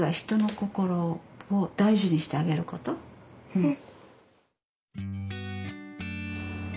うん。